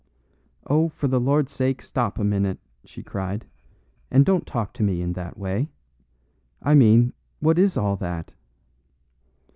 "Oh, for the Lord's sake, stop a minute," she cried, "and don't talk to me in that way. I mean, what is all that?"